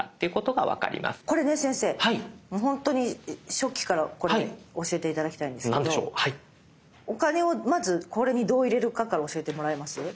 本当に初期からこれ教えて頂きたいんですけどお金をまずこれにどう入れるかから教えてもらえます？